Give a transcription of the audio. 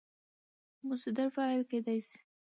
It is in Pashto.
مصدر فاعل کېدای سي.